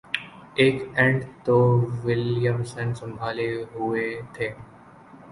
ایک اینڈ تو ولیمسن سنبھالے ہوئے تھے